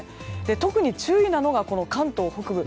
特に注意なのが関東北部。